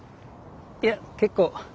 いや結構。